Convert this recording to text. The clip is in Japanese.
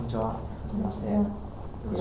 はじめまして。